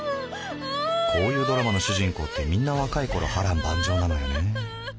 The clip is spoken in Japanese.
こういうドラマの主人公ってみんな若いころ波乱万丈なのよね。